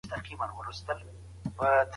هغه کسان چي کمپيوټر پوهنه يې لوستې، ښه عاید لري.